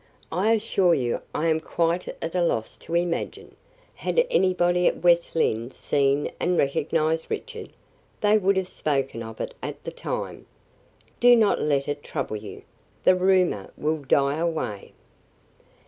"I assure you I am quite at a loss to imagine. Had anybody at West Lynne seen and recognized Richard, they would have spoken of it at the time. Do not let it trouble you; the rumor will die away."